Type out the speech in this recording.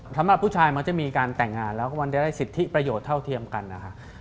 สำหรับผู้ชายมักจะมีการแต่งงานแล้วก็มันจะได้สิทธิประโยชน์เท่าเทียมกันนะครับ